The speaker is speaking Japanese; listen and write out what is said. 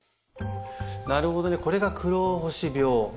なるほどねこれが黒星病。